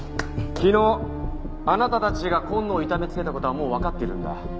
昨日あなたたちが今野を痛めつけた事はもうわかってるんだ。